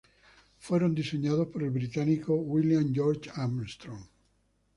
Fueron diseñados por el británico sir William George Armstrong.